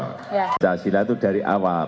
pancasila itu dari awal